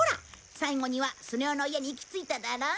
最後にはスネ夫の家に行き着いただろ？